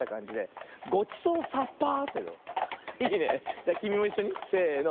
じゃきみもいっしょにせの。